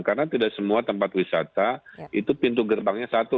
karena tidak semua tempat wisata itu pintu gerbangnya satu